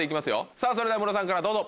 さぁそれではムロさんからどうぞ。